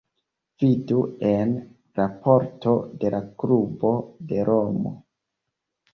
Vidu en raporto de la klubo de Romo.